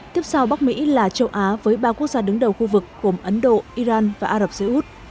tiếp sau bắc mỹ là châu á với ba quốc gia đứng đầu khu vực gồm ấn độ iran và ả rập xê út